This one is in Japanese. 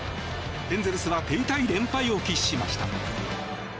エンゼルスは手痛い連敗を喫しました。